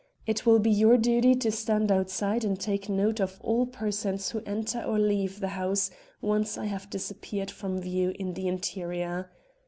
It will be your duty to stand outside and take note of all persons who enter or leave the house once I have disappeared from view in the interior.